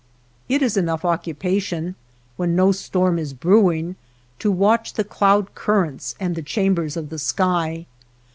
It is enough occupation, when no storm is brewing, to watch the cloud currents and the chambers of the sky.